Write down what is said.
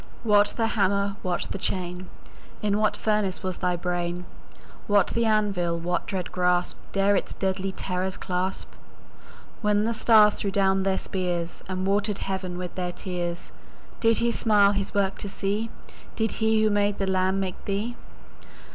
What the hammer? what the chain? In what furnace was thy brain? What the anvil? What dread grasp 15 Dare its deadly terrors clasp? When the stars threw down their spears, And water'd heaven with their tears, Did He smile His work to see? Did He who made the lamb make thee?